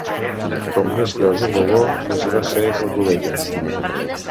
Com més gros és el bo, més grossa és la clovella.